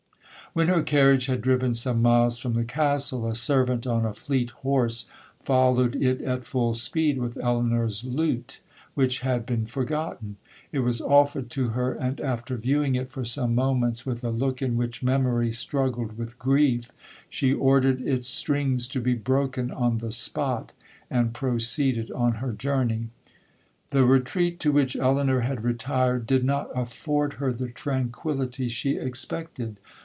'When her carriage had driven some miles from the Castle, a servant on a fleet horse followed it at full speed with Elinor's lute, which had been forgotten,—it was offered to her, and after viewing it for some moments with a look in which memory struggled with grief, she ordered its strings to be broken on the spot, and proceeded on her journey. 'The retreat to which Elinor had retired, did not afford her the tranquillity she expected.